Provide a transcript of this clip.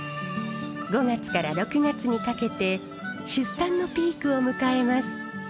５月から６月にかけて出産のピークを迎えます。